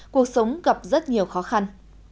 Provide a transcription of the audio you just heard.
cuộc sống gặp rất nhiều khó khăn